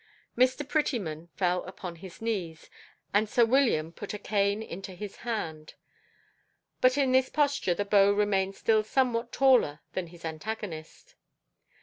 Mr. Prettyman fell upon his knees, and sir William put a cane into his hand. But in this posture the beau remained still somewhat taller than his antagonist.